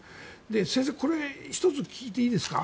先生これ、１つ聞いていいですか？